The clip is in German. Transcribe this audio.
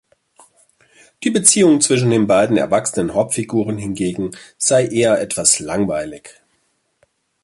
Die Beziehung zwischen den beiden erwachsenen Hauptfiguren hingegen sei eher etwas langweilig.